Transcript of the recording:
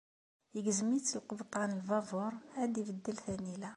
Igzem-itt lqebṭan n lbabuṛ ad ibeddel tanila.